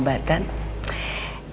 selain perawatan dan pengobatan